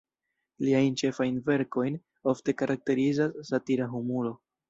Liajn ĉefajn verkojn ofte karakterizas satira humuro.